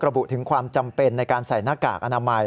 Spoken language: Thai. ระบุถึงความจำเป็นในการใส่หน้ากากอนามัย